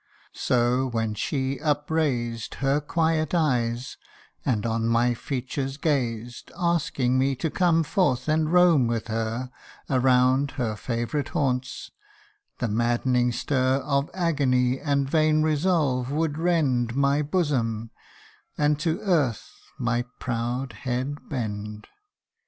So when she upraised Her quiet eyes, and on my features gazed, Asking me to come forth and roam with her Around her favourite haunts, the maddening stir Of agony and vain resolve would rend My bosom, and to earth my proud head bend.